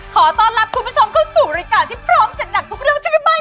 ขอต้อนรับคุณผู้ชมเข้าสู่รายการที่พร้อมจัดหนักทุกเรื่องที่แม่บ้าน